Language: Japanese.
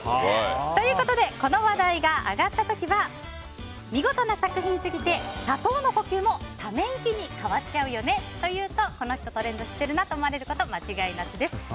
ということでこの話題が上がった時は見事な作品すぎて、砂糖の呼吸もため息に変わっちゃうよね！と言うとこの人トレンド知ってるなと思われること間違いなしです。